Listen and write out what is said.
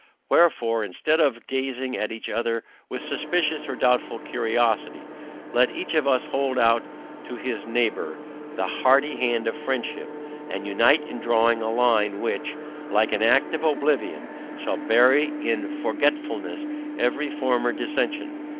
WHEREFORE, instead of gazing at each other with suspicious or doubtful curiosity, let each of us, hold out to his neighbour the hearty hand of friendship, and unite in drawing a line, which, like an act of oblivion, shall bury in forgetfulness every former dissention.